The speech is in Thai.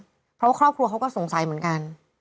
เพราะว่าครอบครัวเขาก็สงสัยเหมือนกัน